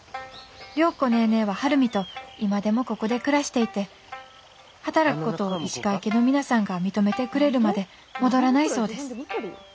良子ネーネーは晴海と今でもここで暮らしていて働くことを石川家の皆さんが認めてくれるまで戻らないそうです。